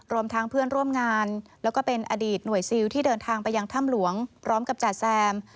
รวมทั้งเพื่อนร่วมงานแล้วก็เป็นอดีตหน่วยซิลที่เดินทางไปยังถ้ำหลวงพร้อมกับจ่าแซม